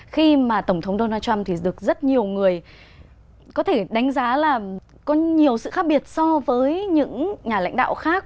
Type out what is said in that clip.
khi mà tổng thống donald trump thì được rất nhiều người có thể đánh giá là có nhiều sự khác biệt so với những nhà lãnh đạo khác